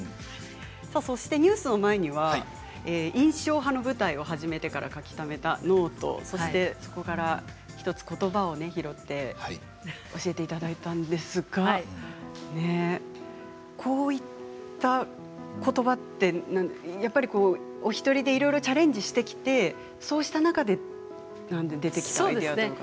そしてニュースの前には「印象派」の舞台を始めてから書きためたノートそしてそこから１つことばを拾って教えていただいたんですがこういったことばってお一人でいろいろチャレンジしてきてそういった中で出てきたんですか？